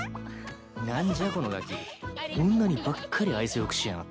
何じゃこのガキ女にばっかり愛想良くしやがって